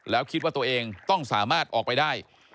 แล้วคิดว่าตัวเองต้องสามารถออกไปได้